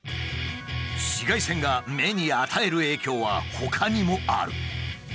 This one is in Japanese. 紫外線が目に与える影響はほかにもある。